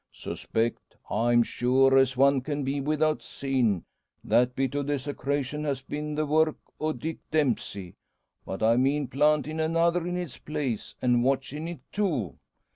"Suspect! I'm sure, as one can be without seein', that bit o' desecrashun ha' been the work o' Dick Dempsey. But I mean plantin' another in its place, an' watchin' it too.